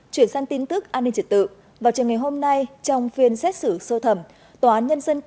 chuyển sang tin tức an ninh trật tự vào trường ngày hôm nay trong phiên xét xử sâu thẩm